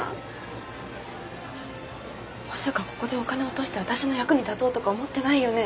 まさかここでお金を落として私の役に立とうとか思ってないよね？